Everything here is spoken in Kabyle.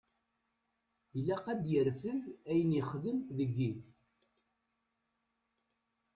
Ilaq ad yerfed ayen yexdem deg-i.